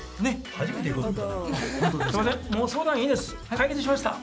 解決しました。